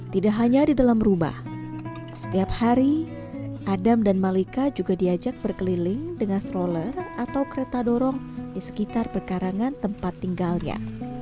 tidak hanya di dalam rumah setiap hari adam dan malika juga diajak berkeliling dengan stroller atau kereta dorong di sekitar pekarangan tempat tinggalnya